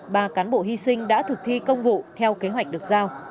ba cán bộ hy sinh đã thực thi công vụ theo kế hoạch được giao